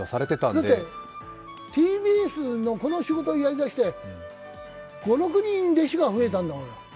だって、ＴＢＳのこの仕事やりだして５６人、弟子が増えたんだから。